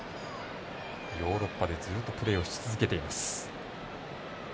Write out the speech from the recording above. ヨーロッパでずっとプレーをし続けています。